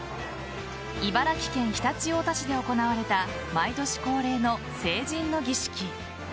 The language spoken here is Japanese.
茨城県常陸太田市で行われた毎年恒例の成人の儀式。